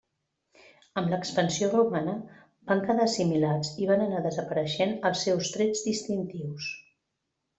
Amb l'expansió romana, van quedar assimilats i van anar desapareixent els seus trets distintius.